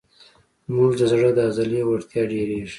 زموږ د زړه د عضلې وړتیا ډېرېږي.